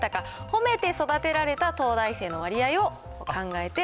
褒めて育てられた東大生の割合を考えて。